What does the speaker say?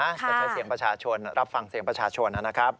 จะใช้เสียงประชาชนรับฟังเสียงประชาชนนะครับ